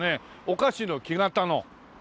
お菓子の木型の。